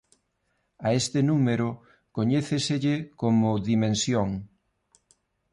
A este número coñéceselle como dimensión.